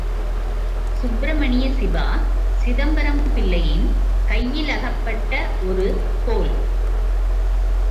சுப்பிரமணிய சிவா, சிதம்பரம் பிள்ளையின் கையிலகப்பட்ட ஒரு கோல்.